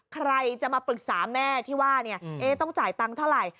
ใครจะมาปรึกษาแม่ที่ว่าต้องจ่ายตังค์เท่าไหร่